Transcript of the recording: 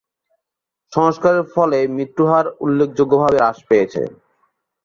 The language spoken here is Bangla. সংস্কারের ফলে, মৃত্যু হার উল্লেখযোগ্যভাবে হ্রাস পেয়েছে।